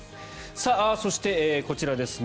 そして、こちらですね